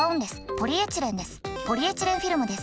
ポリエチレンフィルムです。